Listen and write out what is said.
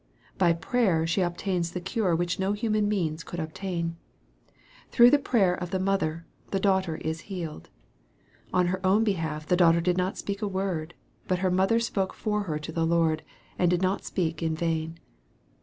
By prayer she obtains the cure which no human means could obtain. Through, the prayer of the mother, the daughter is healed. On her own behalf that daughter did not speak a word ; but her mother spoke for her to the Lord, and did not speak in vain.